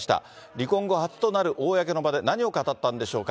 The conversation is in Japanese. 離婚後、初となる公の場で何を語ったんでしょうか。